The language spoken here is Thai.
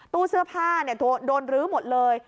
ตู้เสื้อผ้าโดนลื้อหมดเลย